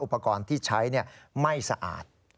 อุปกรณ์ที่ใช้ไม่สะอาด